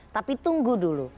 tapi tunggu dulu